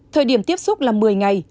thời điểm tiếp xúc là một mươi ngày